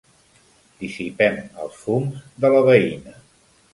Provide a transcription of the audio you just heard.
Dissipem els fums de la veïna.